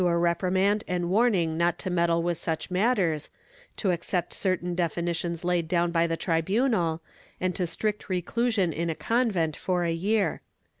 I] APPEALS 97 reprimand and warning not to meddle with such matters, to accept certain definitions laid down by the tribunal, and to strict reclusion in a convent for a year.